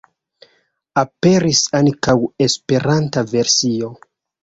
Aperis ankaŭ esperanta versio.